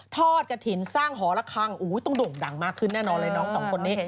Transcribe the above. ทอดกระถิ่นสร้างหอระคังต้องโด่งดังมากขึ้นแน่นอนเลยน้องสองคนนี้